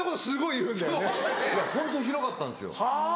いやホントに広かったんですよ。